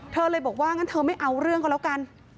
เธอเลยบอกว่างั้นเธอไม่เอาเรื่องก็แล้วกัน